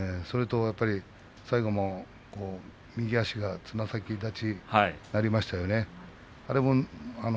最後、右足がつま先立ちになりましたね。